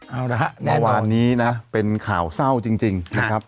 เอาละฮะประวัตินี้นะเป็นข่าวเศร้าจริงจริงนะครับครับ